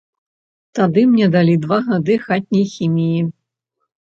Тады мне далі два гады хатняй хіміі.